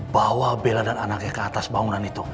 bawa bela dan anaknya ke atas bangunan itu